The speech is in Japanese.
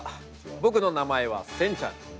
僕の名前はセンちゃん。